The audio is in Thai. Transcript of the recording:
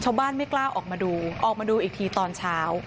ไม่กล้าออกมาดูออกมาดูอีกทีตอนเช้า